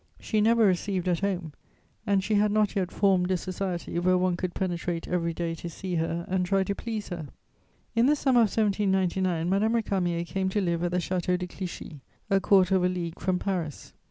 She never received at home and she had not yet formed a society where one could penetrate every day to see her and try to please her. [Sidenote: Lucien Bonaparte.] "In the summer of 1799, Madame Récamier came to live at the Château de Clichy, a quarter of a league from Paris.